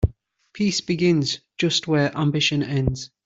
Peace begins just where ambition ends.